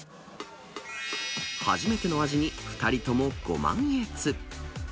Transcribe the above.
初めての味に２人ともご満悦。